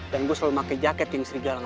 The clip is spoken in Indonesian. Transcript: dan gue selalu pakai jaket yang serigala ngakuin